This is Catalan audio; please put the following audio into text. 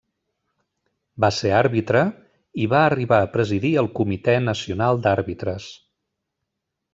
Va ser àrbitre, i va arribar a presidir el Comitè Nacional d'Àrbitres.